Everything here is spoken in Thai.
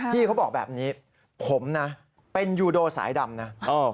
พี่เขาบอกแบบนี้ผมนะเป็นยูโดสายดำนะ